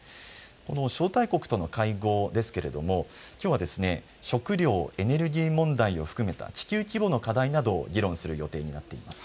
招待国との会合ですけれどもきょうは食料・エネルギー問題を含めた地球規模の課題などを議論する予定になっています。